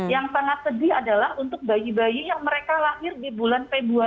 yang sangat sedih adalah untuk bayi bayi yang mereka lahir di bulan februari